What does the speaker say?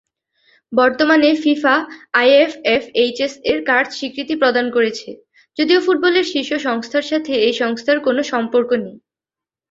বর্তমানে ফিফা আইএফএফএইচএস-এর কাজ স্বীকৃতি প্রদান করেছে, যদিও ফুটবলের শীর্ষ সংস্থার সাথে এই সংস্থার কোন সম্পর্ক নেই।